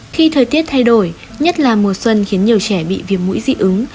khi thời tiết thay đổi nhất là mùa xuân khiến nhiều trẻ bị viêm mũi dị ứng